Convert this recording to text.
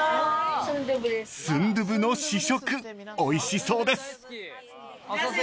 ［スンドゥブの試食おいしそうです］